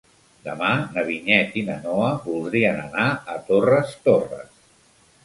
Demà na Vinyet i na Noa voldrien anar a Torres Torres.